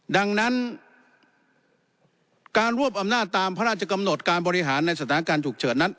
ดังนั้นการรวบอำนาจตามพระราชกำหนดการบริหารในสถานการณ์ฉุกเฉินนั้น